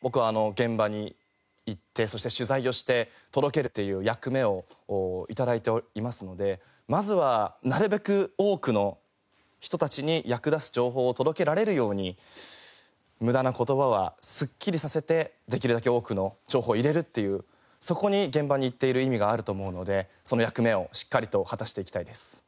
僕は現場に行ってそして取材をして届けるっていう役目を頂いていますのでまずはなるべく多くの人たちに役立つ情報を届けられるように無駄な言葉はすっきりさせてできるだけ多くの情報を入れるっていうそこに現場に行っている意味があると思うのでその役目をしっかりと果たしていきたいです。